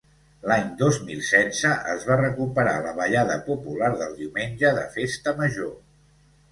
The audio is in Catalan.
L'any dos mil setze es va recuperar la ballada popular del diumenge de Festa Major.